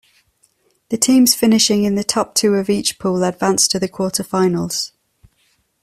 The teams finishing in the top two of each pool advanced to the quarterfinals.